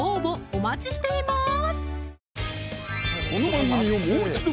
お待ちしています